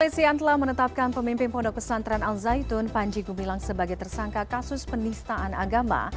polisian telah menetapkan pemimpin pondok pesantren al zaitun panji gumilang sebagai tersangka kasus penistaan agama